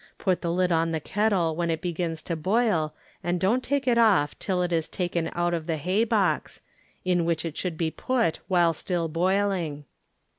Put the lid on the kettle when it begins to boil and don't take it off till it is taken out of the hay box, in which it should be put while still boil ing.